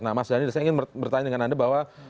nah mas dhani saya ingin bertanya dengan anda bahwa